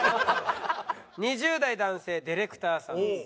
２０代男性ディレクターさんです。